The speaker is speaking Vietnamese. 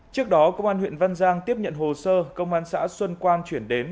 trước đó công an huyện văn giang tiếp nhận hồ sơ công an xã xuân quan chuyển đến